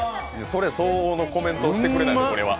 それ相応のコメントをしてくれないと、これは。